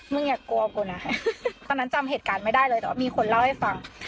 อย่ากลัวกูนะตอนนั้นจำเหตุการณ์ไม่ได้เลยแต่ว่ามีคนเล่าให้ฟัง